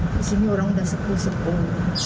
disini orang udah sepuluh sepuluh